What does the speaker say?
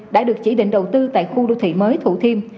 đã được chỉ định đầu tư tại khu đô thị mới thủ thiêm